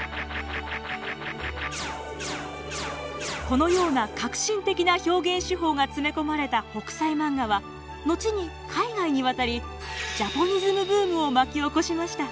このような革新的な表現手法が詰め込まれた「北斎漫画」は後に海外に渡りジャポニズムブームを巻き起こしました。